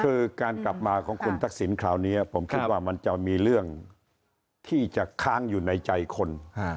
คือการกลับมาของคุณทักษิณคราวนี้ผมคิดว่ามันจะมีเรื่องที่จะค้างอยู่ในใจคน